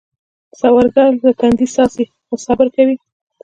سوالګر له تندي څاڅي خو صبر کوي